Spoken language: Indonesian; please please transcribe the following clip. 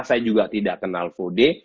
saya juga tidak kenal fode